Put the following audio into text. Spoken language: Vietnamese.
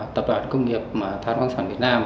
tập đoàn công nghiệp than khoáng sản việt nam